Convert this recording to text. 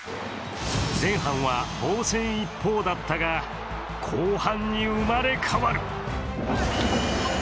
前半は防戦一方だったが、後半に生まれ変わる。